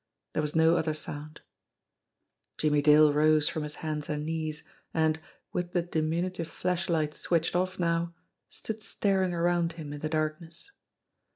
There was no other sound. Jimmie Dale rose from his hands and knees, and, with the diminutive flashlight switched off now, stood staring around him in the darkness.